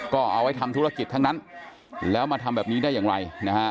ก็เอาไว้ทำธุรกิจทั้งนั้นแล้วมาทำแบบนี้ได้อย่างไรนะฮะ